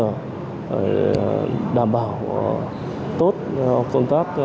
để đảm bảo tốt hoặc công tác